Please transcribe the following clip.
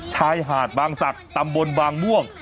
ชายหาดบางศักดิ์ตำบลบางม่วง